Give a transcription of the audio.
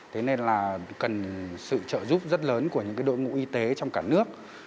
thế nên là cần sự trợ giúp rất lớn của những đội ngũ y tế trong cả nước